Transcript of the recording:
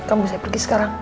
kamu bisa pergi sekarang